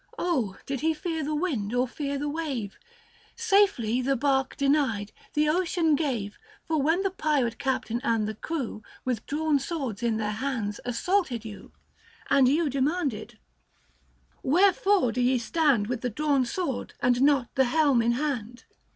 did he fear the wind or fear the wave ? Safety, the barque denied, the ocean gave. For when the pirate captain and the crew, With drawn swords in their hands, assaulted you, 90 And you demanded, " Wherefore do ye stand With the drawn sword and not the helm in hand